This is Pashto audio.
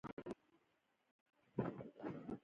چې نړۍ یې ټول سرچینه د بې شرمۍ په ځای پورې تړي.